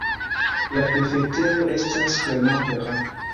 La prefektejo estas Clermont-Ferrand.